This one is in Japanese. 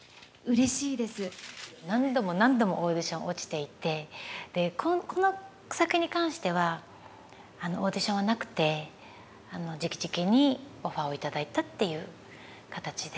何度も何度もオーディション落ちていてこの作品に関してはオーディションはなくてじきじきにオファーを頂いたっていう形で。